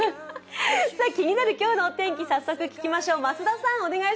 気になる今日のお天気、早速聞きましょう。